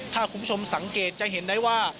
ถ้าคุณผู้ชมสังเกตจะเห็นได้ว่า